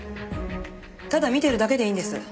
ただ見てるだけでいいんです。